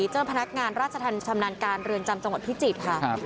เจ้าพนักงานราชธรรมชำนาญการเรือนจำจังหวัดพิจิตรค่ะ